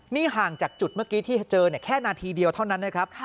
นี่ห่างจากจุดเมื่อกี้ที่เจอแค่นาทีเดียวเท่านั้นนะครับ